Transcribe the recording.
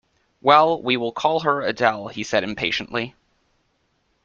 "Well, we will call her Adele," he said impatiently.